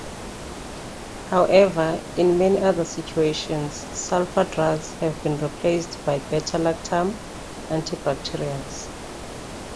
However, in many other situations, sulfa drugs have been replaced by beta-lactam antibacterials.